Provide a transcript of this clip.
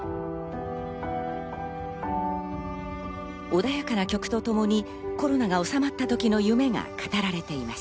穏やかな曲とともにコロナが収まった時の夢が語られています。